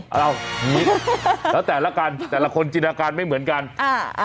เอางี้แล้วแต่ละกันแต่ละคนจินตนาการไม่เหมือนกันอ่า